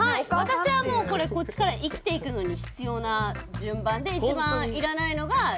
私はこっちから生きていくのに必要な順番で１番いらないのが趣味。